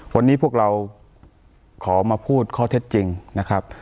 วันนี้พวกเราขอมาพูดข้อเท็จจริงนะครับ